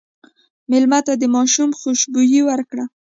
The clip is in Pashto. مېلمه ته د ماشوم خوشبويي ورکړه.